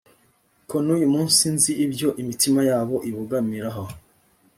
ko n’uyu munsi nzi ibyo imitima yabo ibogamiraho